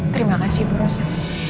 terima kasih bu rosa